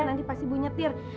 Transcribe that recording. nanti pasti ibu nyetir